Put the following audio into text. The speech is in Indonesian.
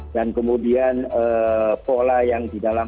dan kemudian pola yang di dalam